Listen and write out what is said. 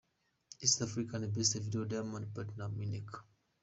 East Africa Best Video Diamond Platnumz – Eneka.